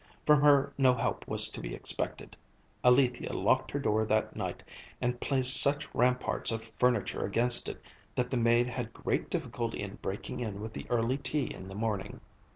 From her no help was to be expected. Alethia locked her door that night, and placed such ramparts of furniture against it that the maid had great difficulty in breaking in with the early tea in the morning.